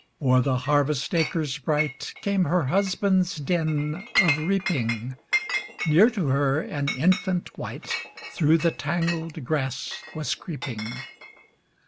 O'er the harvest acres bright, Came her husband's din of reaping; Near to her, an infant wight Through the tangled grass was creeping.